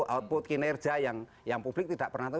output kinerja yang publik tidak pernah tahu